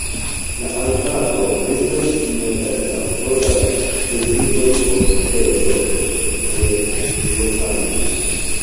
La arbaro estas minacata pro la deziro por tero de lokanoj.